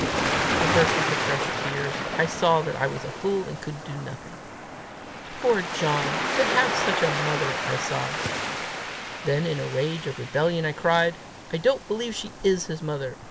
I burst into fresh tears. I saw that I was a fool, and could do nothing. "Poor John! To have such a mother!" I sobbed. Then in a rage of rebellion I cried, "I don't believe she is his mother!